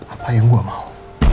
apa yang gue mau